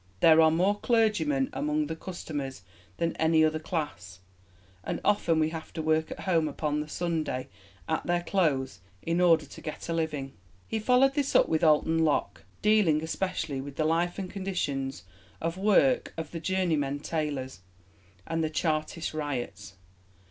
. there are more clergymen among the customers than any other class; and often we have to work at home upon the Sunday at their clothes in order to get a living." He followed this up with Alton Locke, dealing especially with the life and conditions of work of the journeymen tailors, and the Chartist riots.